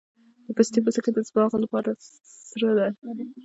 د پستې پوستکي د باغ لپاره سره ده؟